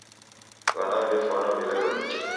W'ana w'efwana w'ilelo nicha.